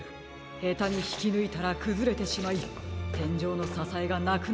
へたにひきぬいたらくずれてしまいてんじょうのささえがなくなってしまうでしょう。